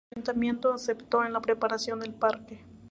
El ayuntamiento aceptó en la preparación del parque.